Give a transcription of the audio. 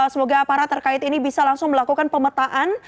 semoga aparat terkait ini bisa langsung melakukan pemetaan